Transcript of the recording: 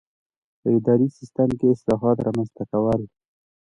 په اداري سیسټم کې اصلاحات رامنځته کول.